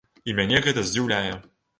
І мяне гэта здзіўляе.